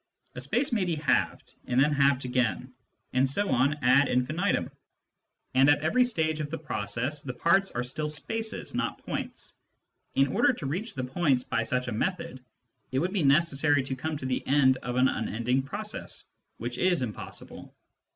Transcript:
A space may be halved, and then halved again, and so on ad infinitum^ and at every stage of the process the parts are still spaces, not points. In order to reach points by such a method, it would be necessary to come to the end of an unending process, which is impossible.